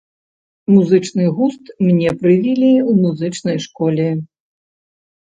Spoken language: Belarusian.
Музычны густ мне прывілі ў музычнай школе.